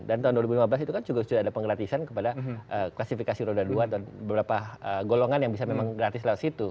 dan tahun dua ribu lima belas itu kan juga sudah ada penggratisan kepada klasifikasi roda dua dan beberapa golongan yang bisa memang gratis lewat situ